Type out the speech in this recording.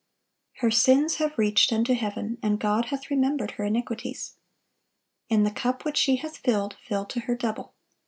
] "Her sins have reached unto heaven, and God hath remembered her iniquities." "In the cup which she hath filled, fill to her double.